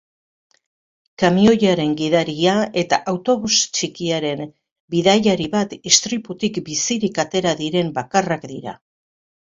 Kamioiaren gidaria eta autobus txikiaren bidaiari bat istriputik bizirik atera diren bakarrak dira.